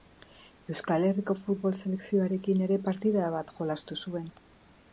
Euskal Herriko futbol selekzioarekin ere partida bat jolastu zuen.